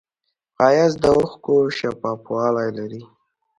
ښایست د اوښکو شفافوالی لري